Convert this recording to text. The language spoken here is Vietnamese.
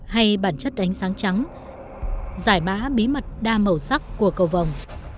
hay bản chất ánh sáng trắng giải mã bí mật đa màu sắc của cầu vòng